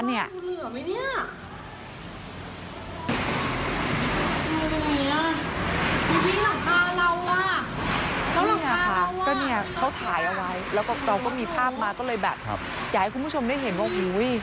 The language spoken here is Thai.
นี่ค่ะเขาถ่ายเอาไว้เราก็มีภาพมาก็เลยแบบอยากให้คุณผู้ชมได้เห็นว่าอุ๊ย